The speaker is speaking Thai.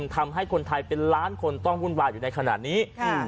ทำให้คนไทยเป็นล้านคนต้องวุ่นวายอยู่ในขณะนี้